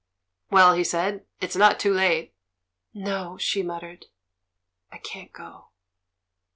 "Well," he said, "it's not too late." "No," she muttered; "I can't go!"